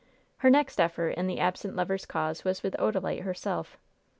Her next effort in the absent lover's cause was with Odalite herself.